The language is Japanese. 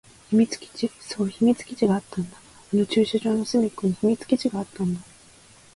秘密基地。そう、秘密基地があったんだ。あの駐車場の隅っこに秘密基地があったんだ。